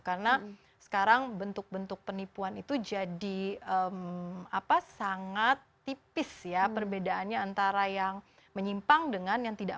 karena sekarang bentuk bentuk penipuan itu jadi apa sangat tipis ya perbedaannya antara yang menyimpang atau yang tidak